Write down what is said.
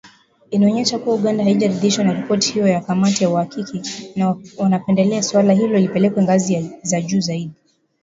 Inaonyesha kuwa Uganda haijaridhishwa na ripoti hiyo ya kamati ya uhakiki na wanapendelea suala hilo lipelekwe ngazi ya juu zaidi.